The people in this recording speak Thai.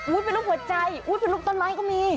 อุ๊ยเป็นรูปหัวใจเป็นรูปต้นไม้ก็มี